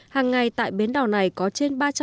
hàng ngày tại bến đò này có trên đường phú sơn